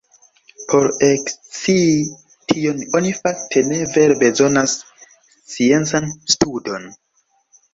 Por ekscii tion oni fakte ne vere bezonas sciencan studon.